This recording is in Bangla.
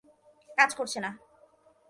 কাজ করছে না।